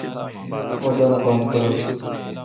اہ دوہ پہ درل۔